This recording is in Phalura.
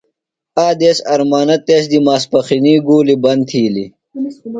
آ دیس ارمانہ تس دی ماسپخنی گُولیۡ بند تِھیلیۡ۔